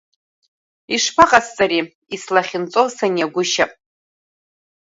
Ишԥаҟасҵари, ислахьынҵо саниагәышьап.